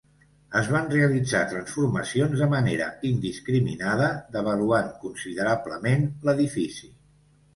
Es van realitzar transformacions de manera indiscriminada, devaluant considerablement l'edifici.